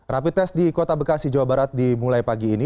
rapi tes di kota bekasi jawa barat dimulai pagi ini